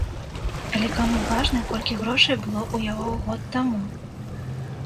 Але каму важна, колькі грошай было ў яго год таму?